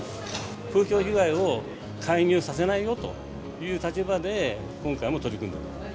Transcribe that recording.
風評被害を介入させないよという立場で、今回も取り組んでいる。